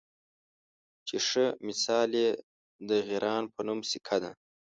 چې ښۀ مثال یې د غران پۀ نوم سیکه ده